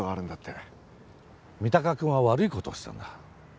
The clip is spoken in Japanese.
三鷹くんは悪い事をしたんだ。